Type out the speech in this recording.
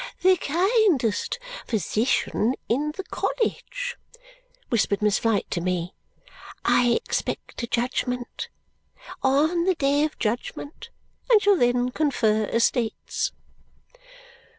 "The kindest physician in the college," whispered Miss Flite to me. "I expect a judgment. On the day of judgment. And shall then confer estates."